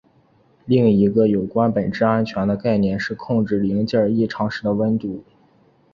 另一个有关本质安全的概念是控制零件异常时的温度。